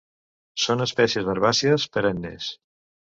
Són espècies herbàcies perennes.